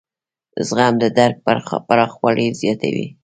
زغم د درک پراخوالی زیاتوي.